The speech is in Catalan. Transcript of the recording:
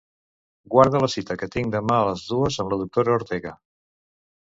Guarda la cita que tinc demà a les dues amb la doctora Ortega.